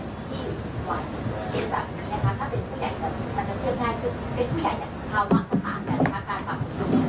มันจะเชื่อมงานที่เป็นผู้ใหญ่อย่างเท่ามากกว่าตาม